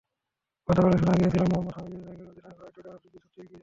গতকালই শোনা গিয়েছিল, মোহাম্মদ হাফিজের জায়গায় অধিনায়ক হওয়ার দৌড়ে আফ্রিদিই সবচেয়ে এগিয়ে।